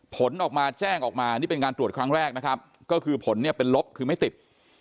ผลออกมาแจ้งออกมานี่เป็นการตรวจครั้งแรกนะครับก็คือผลเนี่ยเป็นลบคือไม่ติด